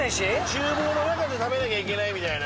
厨房の中で食べなきゃいけないみたいな。